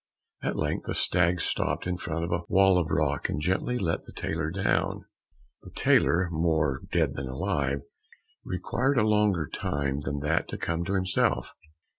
At length the stag stopped in front of a wall of rock, and gently let the tailor down. The tailor, more dead than alive, required a longer time than that to come to himself.